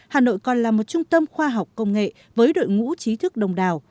hà nội còn là một trung tâm khoa học công nghệ với đội ngũ trí thức đông đào